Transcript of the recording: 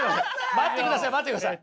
待ってください待ってください。